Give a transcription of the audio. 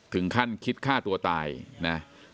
ถึงขั้นคิดฆ่าตัวตายนะ